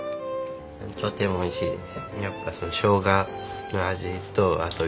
とってもおいしいです。